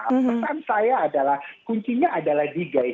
pesan saya adalah kuncinya adalah di gaya hidup